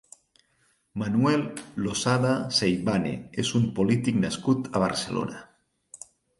Manuel Losada Seivane és un polític nascut a Barcelona.